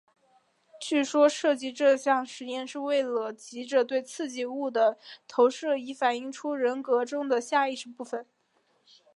据说设计这项测验是为了藉着对刺激物的投射以反映出人格中的下意识部分。